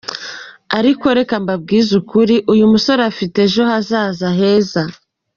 Ariko reka mbabwize ukuri uyu musore afite ejo hazaza heza.